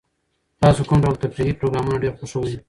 تاسو کوم ډول تفریحي پروګرامونه ډېر خوښوئ؟